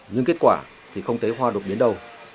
nhưng kết quả thì không thấy hoa đột biến đâu